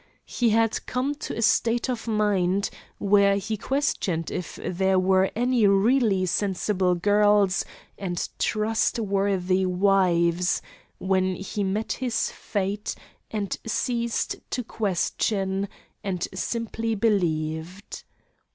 He had come to a state of mind where he questioned if there were any really sensible girls and trustworthy wives, when he met his fate and ceased to question, and simply believed.